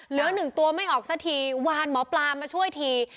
เหลือหนึ่งตัวไม่ออกสักทีวานหมอปลามาช่วยที